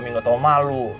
masa saya juga harus kerja